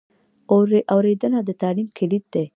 اورېدنه د تعلیم کلید دی.